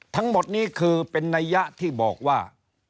ทั้งหมดนี้คือเป็นนัยยะที่บอกว่า